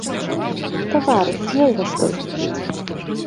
Таварыш, нельга столькі піць.